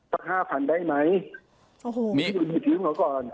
สักห้าพันได้ไหมโอ้โหมีคนอื่นยืมเขาก่อน